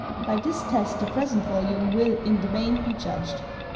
By this test the present volume will, in the main, be judged.